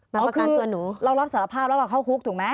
มาประกันตัวหนูอ๋อคือเรารับสารภาพแล้วเข้าคุกถูกไหม